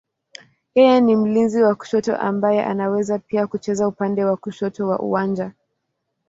Yeye ni mlinzi wa kushoto ambaye anaweza pia kucheza upande wa kushoto wa uwanja.